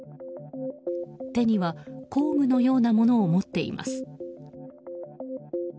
手には工具のようなものを持っています。